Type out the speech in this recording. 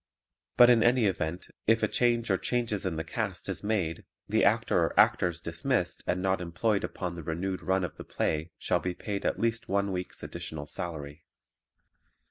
But in any event if a change or changes in the cast is made the Actor or Actors dismissed and not employed upon the renewed run of the play shall be paid at least one week's additional salary.